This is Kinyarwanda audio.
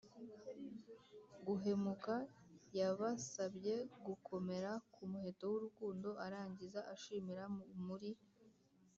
guhemuka. yabasabye gukomera ku muheto w’urukundo, arangiza ashimira muri